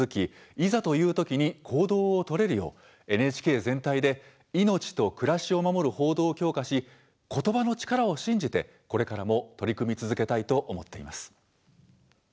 いざというときに行動を取れるようＮＨＫ全体で命と暮らしを守る報道を強化しことばの力を信じてこれからも取り組み続けたいと思っています。